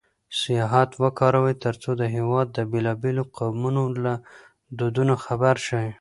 سیاحت وکاروئ ترڅو د هېواد د بېلابېلو قومونو له دودونو خبر شئ.